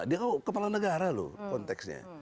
dia oh kepala negara loh konteksnya